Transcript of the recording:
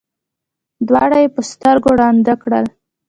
دواړه یې په سترګو ړانده کړل.